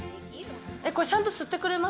ちゃんと吸ってくれます？